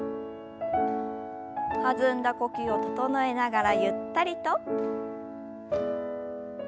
弾んだ呼吸を整えながらゆったりと。